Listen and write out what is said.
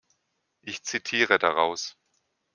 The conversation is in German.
Ich zitiere daraus.